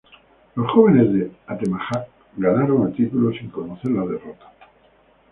Los jóvenes de Atemajac ganaron el título sin conocer la derrota.